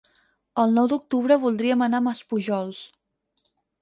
El nou d'octubre voldríem anar a Maspujols.